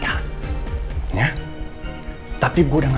untuk kita diri kita sendiri